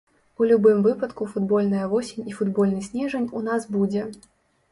У любым выпадку футбольная восень і футбольны снежань у нас будзе.